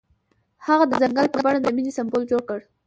هغه د ځنګل په بڼه د مینې سمبول جوړ کړ.